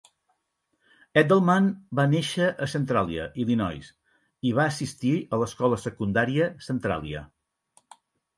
Eddleman va néixer a Centralia, Illinois, i va assistir a l'Escola Secundària Centralia.